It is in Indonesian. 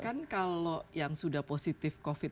kan kalau yang sudah positif covid sembilan belas